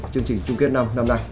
chương trình chung kiến năm nay